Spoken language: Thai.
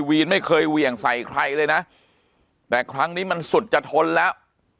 วีนไม่เคยเหวี่ยงใส่ใครเลยนะแต่ครั้งนี้มันสุดจะทนแล้ว